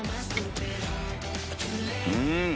うん！